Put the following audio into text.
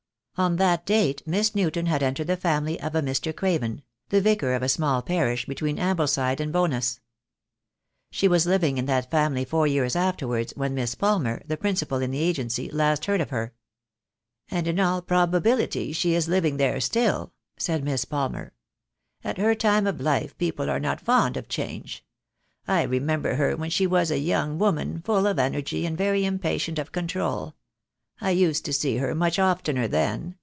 On that date Miss Newton had entered the family of a Mr. Craven — the vicar of a small parish between Amble side and Bowness. She was living in that family four years afterwards, when Miss Palmer, the Principal in the Agency, last heard of her. "And in all probability she is living there still," said Miss Palmer. "At her time of life people are not fond of change. I remember her when she was a young woman, full of energy, and very impatient of control. I used to see her much oftener then.